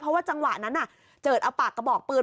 เพราะว่าจังหวะนั้นเจิดเอาปากกระบอกปืน